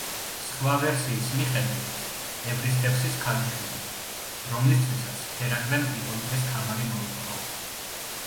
სხვა ვერსიის მიხედვით, ევრისთევსის ქალიშვილი, რომელისთვისაც ჰერაკლემ იპოლიტეს ქამარი მოიპოვა.